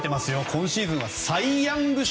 今シーズンは、サイ・ヤング賞。